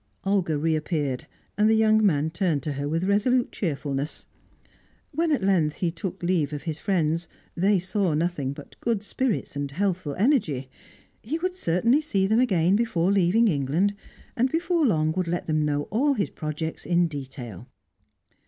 Olga reappeared, and the young man turned to her with resolute cheerfulness. When at length he took leave of his friends, they saw nothing but good spirits and healthful energy. He would certainly see them again before leaving England, and before long would let them know all his projects in detail.